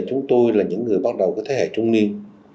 chúng tôi là những người bắt đầu các thế hệ trung niên